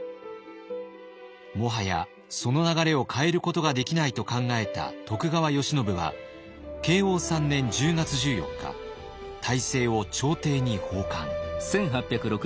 もはやその流れを変えることができないと考えた徳川慶喜は慶応３年１０月１４日大政を朝廷に奉還。